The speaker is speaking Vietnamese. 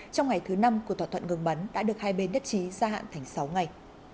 từ năm của thỏa thuận ngược bắn đã được hai bên đất trí gia hạn thành sáu ngày